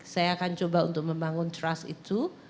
saya akan coba untuk membangun trust itu